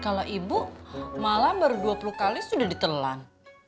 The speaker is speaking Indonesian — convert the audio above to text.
kalau ibu malam baru dua puluh kali sudah ditelan